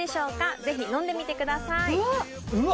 ぜひ飲んでみてくださいうわ！